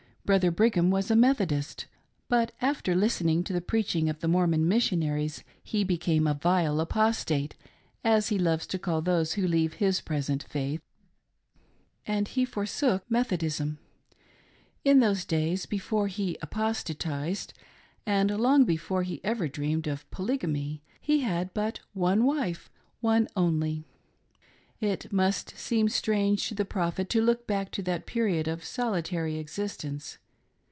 Brother Brigham was a Methodist ; but after listening to the preaching of the Mormon Missionaries he became a vile apostate — as he loves to call those who leave his present faith — and he forsook Methodism. In those days, before he apostatised, and long before he ever dreamed of Polygamy, he had but one wife — one only ! It must seem strange to the Prophet to look back to that period of solitary existence.